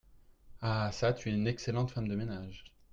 Ah ! çà, tu es une excellente femme de ménage.